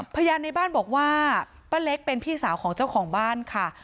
พยานในบ้านบอกว่าป้าเล็กเป็นพี่สาวของเจ้าของบ้านค่ะ